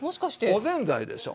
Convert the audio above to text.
おぜんざいでしょ。